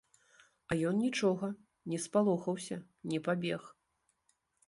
А ён нічога, не спалохаўся, не пабег.